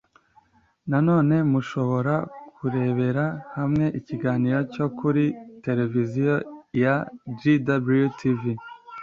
nanone mushobora kurebera hamwe ikiganiro cyo kuri televiziyo ya jw tv